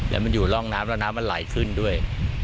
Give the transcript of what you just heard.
แล้วมันอยู่ร่องน้ำแล้วน้ำมันไหลขึ้นด้วย